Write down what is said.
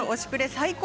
最高！